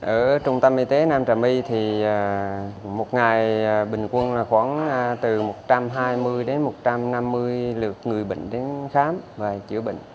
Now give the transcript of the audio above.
ở trung tâm y tế nam trà my thì một ngày bình quân khoảng từ một trăm hai mươi đến một trăm năm mươi lượt người bệnh đến khám và chữa bệnh